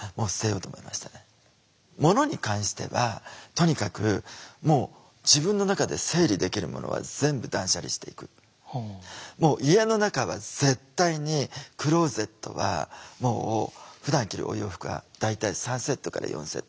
物に関してはとにかくもうもう家の中は絶対にクローゼットはもうふだん着るお洋服は大体３セットから４セットにしよう。